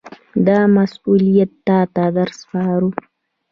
دا مسوولیت تاته در سپارو.